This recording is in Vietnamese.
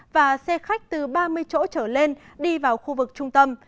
và xe khách từ ba mươi chỗ trở lên đi vào khu vực trung tâm